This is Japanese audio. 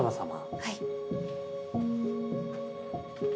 はい。